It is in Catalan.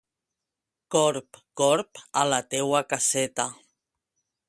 Corb, corb, a la teua caseta.